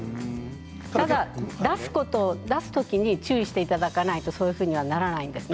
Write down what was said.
ただ、出すときに注意していただかないとそういうふうにはならないんです。